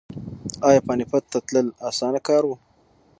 ایا پاني پت ته تلل اسانه کار و؟